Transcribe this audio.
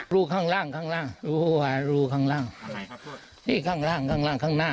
ที่ข้างล่างข้างล่างข้างหน้า